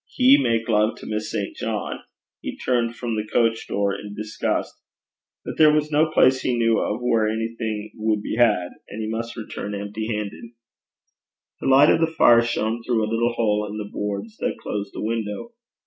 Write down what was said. He make love to Miss St. John! He turned from the coach door in disgust. But there was no place he knew of where anything could be had, and he must return empty handed. The light of the fire shone through a little hole in the boards that closed the window.